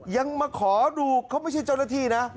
ยังมาขอดูเขาไม่ใช่เจ้าหน้าที่นะ